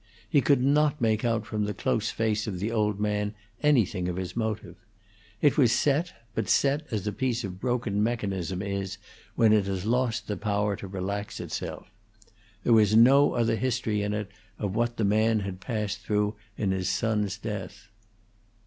He could not make out from the close face of the old man anything of his motive. It was set, but set as a piece of broken mechanism is when it has lost the power to relax itself. There was no other history in it of what the man had passed through in his son's death.